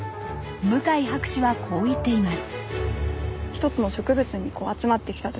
向井博士はこう言っています。